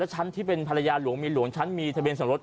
ฉันที่เป็นภรรยาหลวงมีหลวงฉันมีทะเบียนสมรส